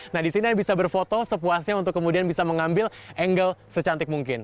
nah di sini anda bisa berfoto sepuasnya untuk kemudian bisa mengambil angle secantik mungkin